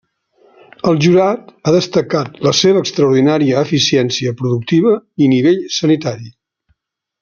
El jurat ha destacat la seva extraordinària eficiència productiva i nivell sanitari.